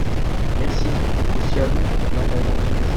Merci, aussi à vous, madame la ministre.